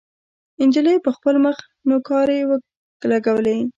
نجلۍ پر خپل مخ نوکارې لګولې.